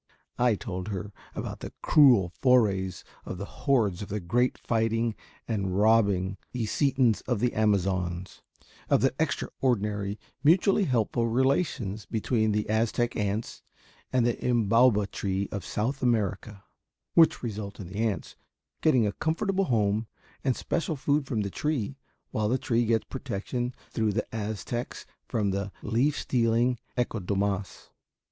It told about the cruel forays of the hordes of the great fighting and robbing Ecitons of the Amazons; of the extraordinary mutually helpful relations between the Aztec ants and the Imbauba tree of South America, which result in the ants getting a comfortable home and special food from the tree, while the tree gets protection through the Aztecs from the leaf stealing Ecodomas.